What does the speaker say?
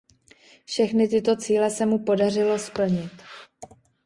Všechny tyto cíle se mu podařilo splnit.